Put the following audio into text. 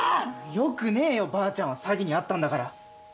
よくねえよばあちゃんは詐欺に遭ったんだから。